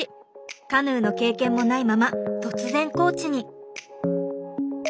カヌーの経験もないまま突然コーチに。